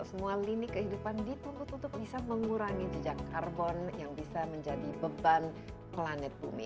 semua lini kehidupan dituntut untuk bisa mengurangi jejak karbon yang bisa menjadi beban planet bumi